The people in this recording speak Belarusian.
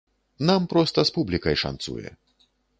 Нам проста з публікай шанцуе.